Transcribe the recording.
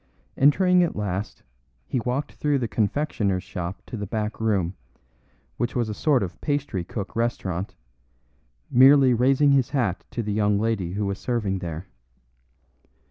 Entering at last, he walked through the confectioner's shop to the back room, which was a sort of pastry cook restaurant, merely raising his hat to the young lady who was serving there.